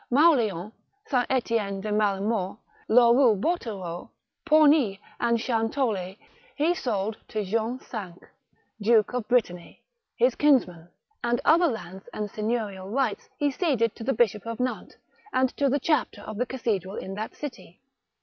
Maul6on, S. Etienne de Malemort, Loroux Botereau, Pornic, and Chantol6, he sold to John V., Duke of Brittany, his kinsman, and other lands and seigneurial rights he ceded to the Bishop of Nantes, and to the chapter of the cathedral in that city.